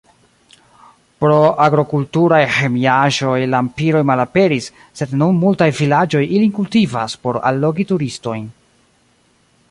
Pro agrokulturaj ĥemiaĵoj lampiroj malaperis, sed nun multaj vilaĝoj ilin kultivas por allogi turistojn.